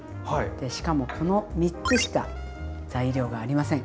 しかもこの３つしか材料がありません。